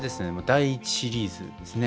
第１シリーズですね。